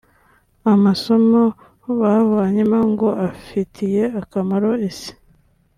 amasomo bavanyemo ngo afitiye akamaro Isi